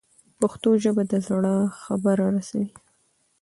پښتو ژبه د زړه خبره رسوي.